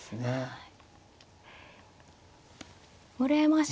はい。